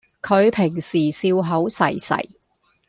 佢平時笑口噬噬